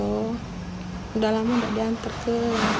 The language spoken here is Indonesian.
udah lama gak diantar ke